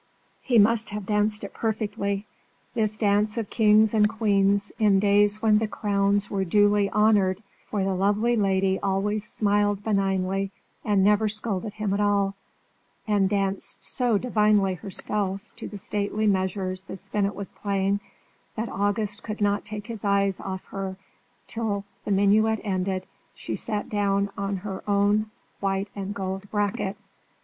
He must have danced it perfectly, this dance of kings and queens in days when crowns were duly honoured, for the lovely lady always smiled benignly and never scolded him at all, and danced so divinely herself to the stately measures the spinet was playing that August could not take his eyes off her till, the minuet ended, she sat down on her own white and gold bracket.